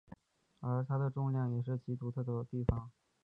而它的重量也是其独特的地方。